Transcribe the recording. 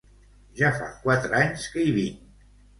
Ja fa quatre anys que hi vinc.